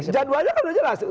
jadwalanya kan sudah jelas